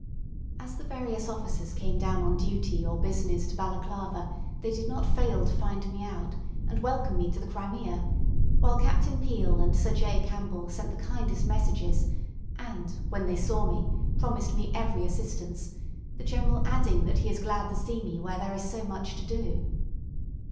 As the various officers came down on duty or business to Balaclava they did not fail to find me out, and welcome me to the Crimea, while Captain Peel and Sir J. Campbell sent the kindest messages; and when they saw me, promised me every assistance, the General adding that he is glad to see me where there is so much to do.